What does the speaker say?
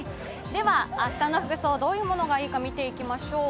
では、明日の服装、どういうものがいいか、見ていきましょう。